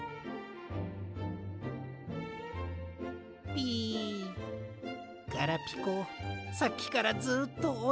ピガラピコさっきからずっとおに。